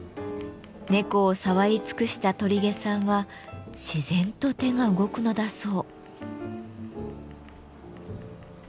猫を触り尽くした鳥毛さんは自然と手が動くのだそう。